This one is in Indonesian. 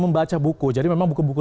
membaca buku jadi memang buku buku